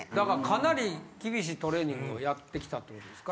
かなり厳しいトレーニングをやってきたってことですか？